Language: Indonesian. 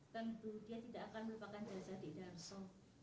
tentu dia tidak akan melupakan jasa di darso